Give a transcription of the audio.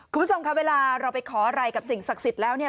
คุณผู้ชมครับเวลาเราไปขออะไรกับสิ่งศักดิ์สิทธิ์แล้วเนี่ย